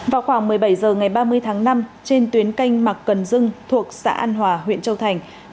vào khoảng một mươi bảy h ngày ba mươi tháng năm trên tuyến canh mặc cần dưng thuộc xã an hòa huyện châu thành